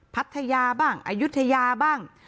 พัทยาบ้างอายุทยาบ้าง